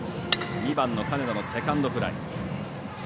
２番の金田のセカンドフライ。